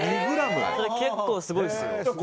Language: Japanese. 結構、すごいっすよ。